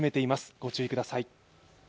御注意ください。